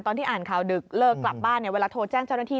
ตอนที่อ่านข่าวดึกเลิกกลับบ้านเนี่ยเวลาโทรแจ้งเจ้าหน้าที่